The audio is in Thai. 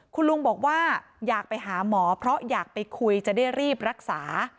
คุณลุงบอกว่าอยากไปหาหมอเพราะอยากไปคุยจะได้รีบรักษา